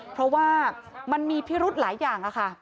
เพราะว่ามันมีพิรุธหลายอย่างค่ะ